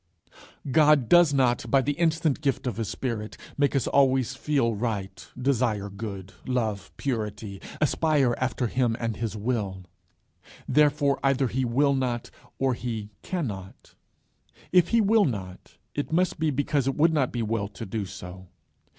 God does not, by the instant gift of his Spirit, make us always feel right, desire good, love purity, aspire after him and his will. Therefore either he will not, or he cannot. If he will not, it must be because it would not be well to do so.